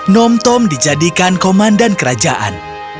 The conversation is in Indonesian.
nom tom dijadikan komandan kerajaan